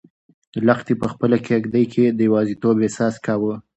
لښتې په خپله کيږدۍ کې د یوازیتوب احساس کاوه.